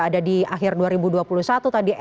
ada di akhir dua ribu dua puluh satu tadi